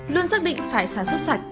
luôn xác định phải sản xuất sạch